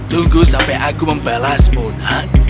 tunggu sampai aku membalas munat